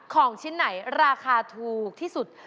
ของชิ้นไหนราคาถูกที่สุด